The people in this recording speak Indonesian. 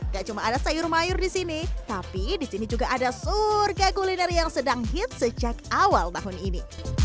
gak cuma ada sayur mayur di sini tapi di sini juga ada surga kuliner yang sedang hit sejak awal tahun ini